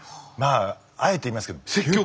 まああえて言いますけど。